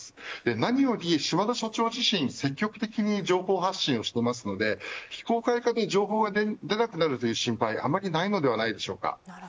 何より、島田社長自身、積極的に情報発信をしていますので非公開化で情報が出なくなるという心配はあまりないのではないでしょうか。